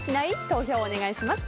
投票をお願いします。